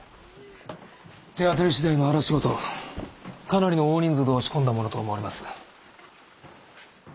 手当たりしだいの荒仕事かなりの大人数で押し込んだものと思われます。